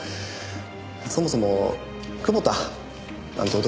そもそも久保田なんて男